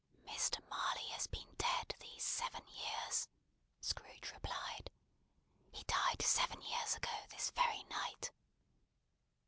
"Mr. Marley has been dead these seven years," Scrooge replied. "He died seven years ago, this very night."